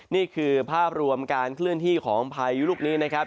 นี่คือภาพรวมการเคลื่อนที่ของพายุลูกนี้นะครับ